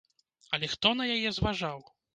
Але хто на яе зважаў?